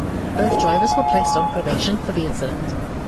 Both drivers were placed on probation for the incident.